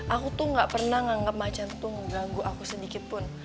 aku tuh gak pernah menganggap macan tuh mengganggu aku sedikitpun